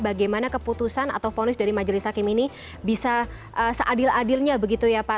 bagaimana keputusan atau fonis dari majelis hakim ini bisa seadil adilnya begitu ya pak